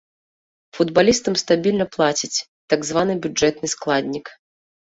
Футбалістам стабільна плацяць так званы бюджэтны складнік.